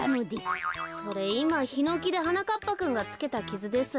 それいまヒノキではなかっぱくんがつけたキズです。